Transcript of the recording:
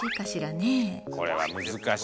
これは難しい。